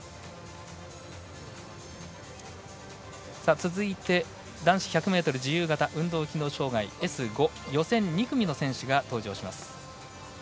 続いて、男子１００ｍ自由形運動機能障がいＳ５予選２組の選手が登場します。